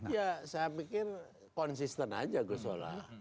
ya saya pikir konsisten aja gus soleh